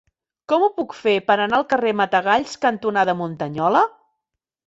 Com ho puc fer per anar al carrer Matagalls cantonada Muntanyola?